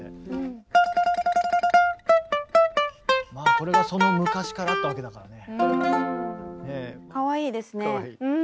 これがその昔からあったわけだからね。